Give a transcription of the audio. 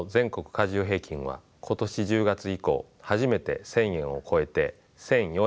加重平均は今年１０月以降初めて１，０００円を超えて１，００４円となります。